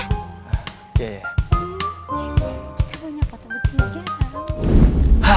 yes ya kita punya foto bertiga